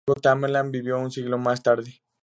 Sin embargo Tamerlán vivió un siglo más tarde.